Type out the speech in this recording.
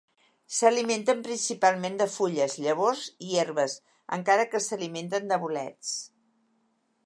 S'alimenten principalment de fulles, llavors i herbes, encara que s'alimenten de bolets.